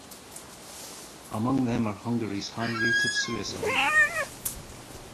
Among them are Hungary's high rate of suicide.